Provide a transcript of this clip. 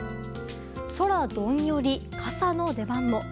空どんより、傘の出番も。